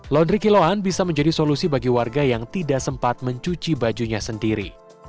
laundry kiloan bisa menjadi solusi bagi warga yang tidak sempat mencuci bajunya sendiri